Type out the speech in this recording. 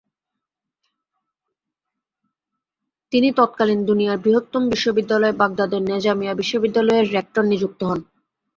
তিনি তৎকালীন দুনিয়ার বৃহত্তম বিশ্ববিদ্যালয় বাগদাদের নেজামিয়া বিশ্ববিদ্যালয়ে রেকটর নিযুক্ত হন।